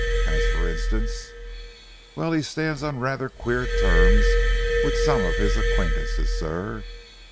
"As, for instance?" "Well, he stands on rather queer terms with some of his acquaintances, sir.